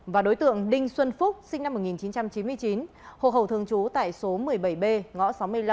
và đối tượng đinh xuân phúc sinh năm một nghìn chín trăm chín mươi chín hộ khẩu thường trú tại số một mươi bảy b